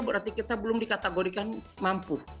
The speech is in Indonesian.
berarti kita belum dikategorikan mampu